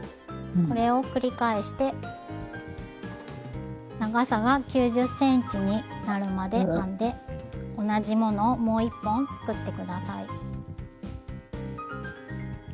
これを繰り返して長さが９０ｃｍになるまで編んで同じものをもう１本作って下さい。